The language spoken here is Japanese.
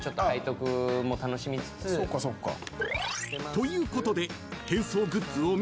［ということで］